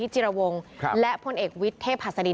ช่วงบ่ายพล